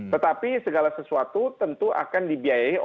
tetapi segala sesuatu tentu akan dibiayai oleh